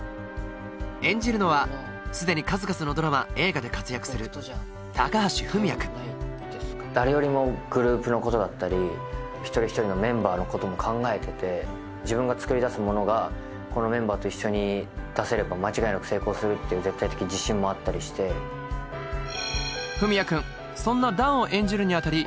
演じるのはすでに数々のドラマ映画で活躍する誰よりもグループのことだったり一人一人のメンバーのことも考えてて自分が作り出すものがこのメンバーと一緒に出せれば間違いなく成功するっていう絶対的自信もあったりして文哉くんそんな弾を演じるにあたり